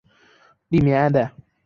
吏民爱戴。